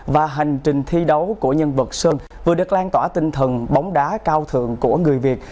và hành trình thi đấu của nhân vật sơn vừa được lan tỏa tinh thần bóng đá cao thượng của người việt